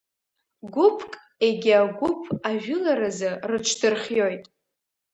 Гәыԥк егьи агәыԥ ажәыларазы рыҽдырхиоит.